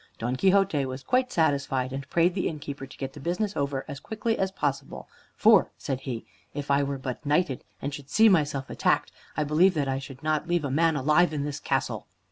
Don Quixote was quite satisfied, and prayed the innkeeper to get the business over as quickly as possible, "for," said he, "if I were but knighted, and should see myself attacked, I believe that I should not leave a man alive in this castle."